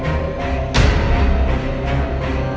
kau akan tetap menjadi permaisuriku